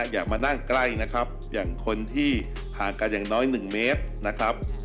อยากมานั่งใกล้อย่างคนที่ห่างกันอย่างน้อย๑เมตร